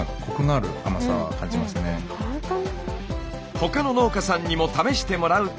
他の農家さんにも試してもらうと。